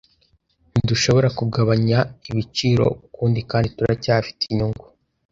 Ntidushobora kugabanya ibiciro ukundi kandi turacyafite inyungu.